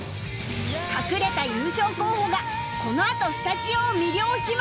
隠れた優勝候補がこのあとスタジオを魅了します！